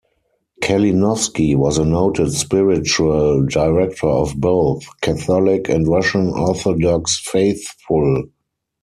Kalinowski was a noted spiritual director of both Catholic and Russian Orthodox faithful.